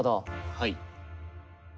はい。